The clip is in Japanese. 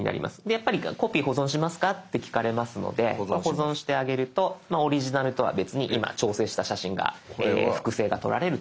やっぱりコピー保存しますかって聞かれますので保存してあげるとオリジナルとは別に今調整した写真が複製がとられるっていうことです。